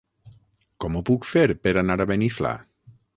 Com ho puc fer per anar a Beniflà?